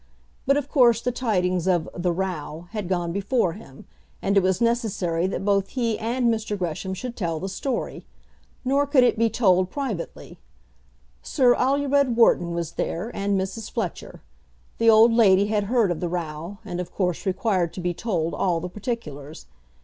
But of course the tidings of "the row" had gone before him, and it was necessary that both he and Mr. Gresham should tell the story; nor could it be told privately. Sir Alured Wharton was there, and Mrs. Fletcher. The old lady had heard of the row, and of course required to be told all the particulars.